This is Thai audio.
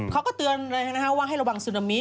เขาก็เตือนเลยว่าให้ระวังซึนามิ